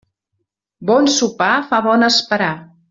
Bon sopar fa bon esperar.